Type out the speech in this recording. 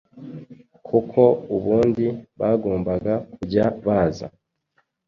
kuko ubundi bagombaga kujya baza